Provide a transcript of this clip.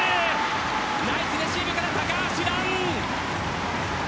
ナイスレシーブから高橋藍！